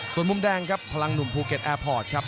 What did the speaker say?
ส่วนมุมแดงครับพลังหนุ่มภูเก็ตแอร์พอร์ตครับ